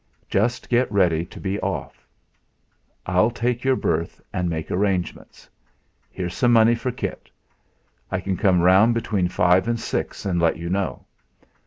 Just get ready to be off'. I'll take your berth and make arrangements. Here's some money for kit. I can come round between five and six, and let you know.